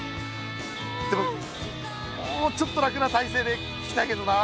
でももうちょっと楽なたいせいで聞きたいけどな。